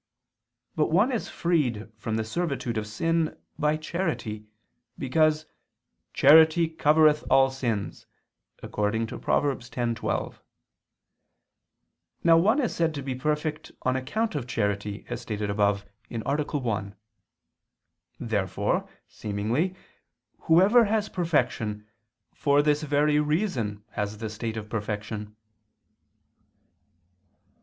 But one is freed from the servitude of sin by charity, because "charity covereth all sins" (Prov. 10:12). Now one is said to be perfect on account of charity, as stated above (A. 1). Therefore, seemingly, whoever has perfection, for this very reason has the state of perfection.